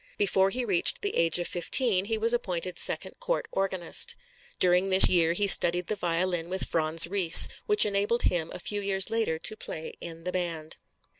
Before he reached the age of fifteen he was appointed second court organist. During this year he studied the violin with Franz Ries, which enabled him a few years later to play in the band.